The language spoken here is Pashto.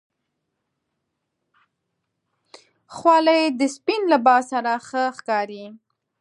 خولۍ د سپین لباس سره ښه ښکاري.